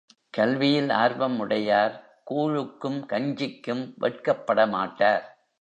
கல்வியில் ஆர்வம் உடையார் கூழுக்கும் கஞ்சிக்கும் வெட்கப் படமாட்டார்.